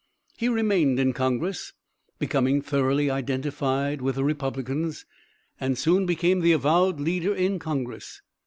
He remained in congress, becoming thoroughly identified with the Republicans, and soon became the avowed leader in congress.